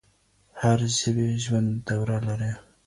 هر ژبې ژوند دوره لري.